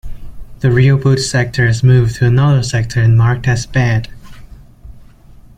The real boot sector is moved to another sector and marked as bad.